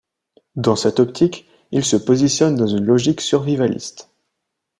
Dans cette optique, il se positionne dans une logique survivaliste.